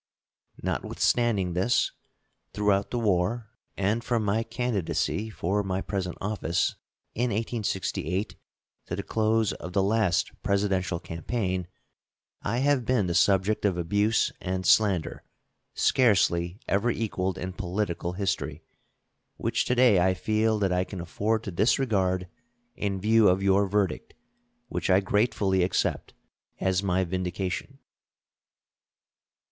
Notwithstanding this, throughout the war, and from my candidacy for my present office in 1868 to the close of the last Presidential campaign, I have been the subject of abuse and slander scarcely ever equaled in political history, which to day I feel that I can afford to disregard in view of your verdict, which I gratefully accept as my vindication.